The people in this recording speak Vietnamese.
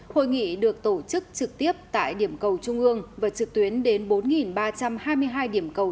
hội nghị được tổ chức trực tiếp tại điểm cầu trung ương và trực tuyến đến bốn ba trăm hai mươi hai điểm cầu